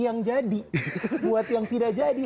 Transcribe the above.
yang jadi buat yang tidak jadi